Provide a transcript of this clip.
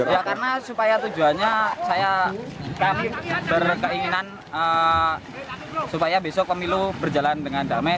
ya karena supaya tujuannya saya berkeinginan supaya besok pemilu berjalan dengan damai